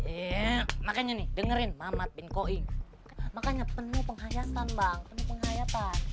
iya makanya nih dengerin mamat bin koing makanya penuh penghayatan bang penuh penghayatan